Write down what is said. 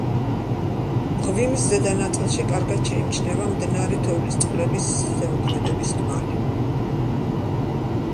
მღვიმის ზედა ნაწილში კარგად შეიმჩნევა მდნარი თოვლის წყლების ზემოქმედების კვალი.